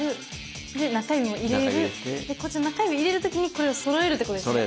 でこっちの中指入れる時にこれをそろえるってことですか？